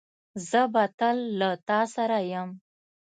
زه به تل له تاسره یم